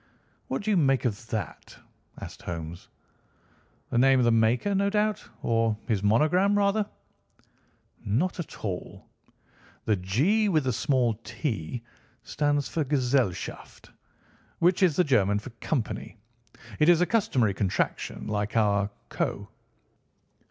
"What do you make of that?" asked Holmes. "The name of the maker, no doubt; or his monogram, rather." "Not at all. The 'G' with the small 't' stands for 'Gesellschaft,' which is the German for 'Company.' It is a customary contraction like our 'Co.